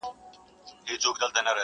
دا په وينو روزل سوی چمن زما دی!